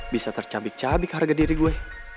bisa tercabik cabik harga diri gue